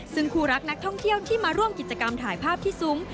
ซึ่งคู่รักนักท่องเที่ยวที่มาร่วมกิจกรรมถ่ายภาพที่ซุ้ม